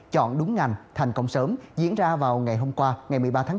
chọn đúng ngành thành công sớm diễn ra vào ngày hôm qua ngày một mươi ba tháng bốn